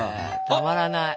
たまらない。